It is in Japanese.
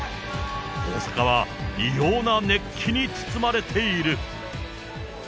大阪は異様な熱気に包まれている。